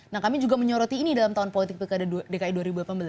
nah kami juga menyoroti ini dalam tahun politik pilkada dki dua ribu delapan belas